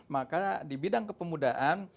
maka di bidang kepemudaan